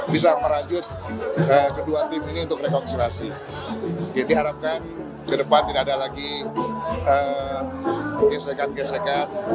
bisa merajut kedua tim ini untuk rekomendasi diharapkan kedepan tidak ada lagi gesekan gesekan